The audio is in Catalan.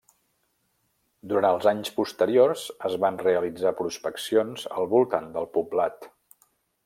Durant els anys posteriors es van realitzar prospeccions al voltant del poblat.